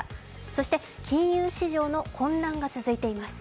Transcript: そして金融市場の混乱が続いています。